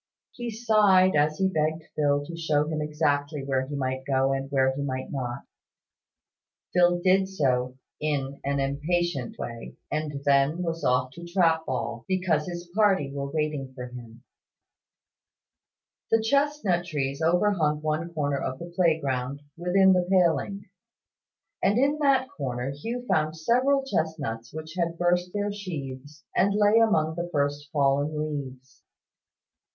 He sighed as he begged Phil to show him exactly where he might go and where he might not Phil did so in an impatient way, and then was off to trap ball, because his party were waiting for him. The chestnut trees overhung one corner of the playground, within the paling: and in that corner Hugh found several chestnuts which had burst their sheaths, and lay among the first fallen leaves.